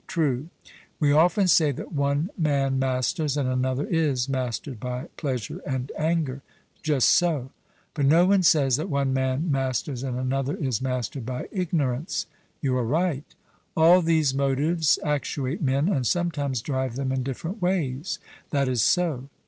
'True.' We often say that one man masters, and another is mastered by pleasure and anger. 'Just so.' But no one says that one man masters, and another is mastered by ignorance. 'You are right.' All these motives actuate men and sometimes drive them in different ways. 'That is so.'